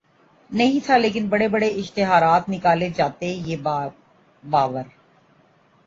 نہیں تھا لیکن بڑے بڑے اشتہارات نکالے جاتے یہ باور